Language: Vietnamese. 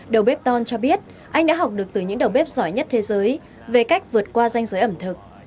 đầu bếp ton cho biết anh đã học được từ những đầu bếp giỏi nhất thế giới về cách vượt qua danh giới ẩm thực